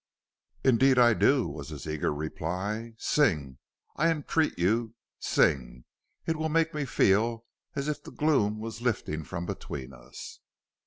"Indeed I do," was his eager reply. "Sing, I entreat you, sing; it will make me feel as if the gloom was lifting from between us."